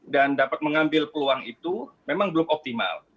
dan dapat mengambil peluang itu memang belum optimal